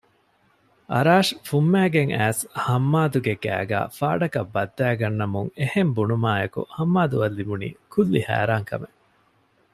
އަރާޝް ފުންމައިގެން އައިސް ހައްމާދުގެ ގައިގައި ފާޑަކަށް ބައްދައިގަންނަމުން އެހެން ބުނުމާއެކު ހައްމާދުއަށް ލިބުނީ ކުއްލި ހައިރާންކަމެއް